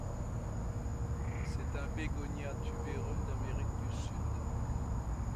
C'est un bégonia tubéreux d'Amérique du Sud.